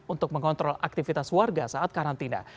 untuk mengontrol aktivitas warga saat karantina